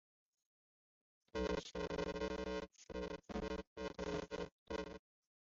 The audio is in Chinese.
栗齿鼩鼱为鼩鼱科鼩鼱属的动物。